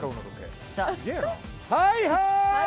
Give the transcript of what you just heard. はいはい！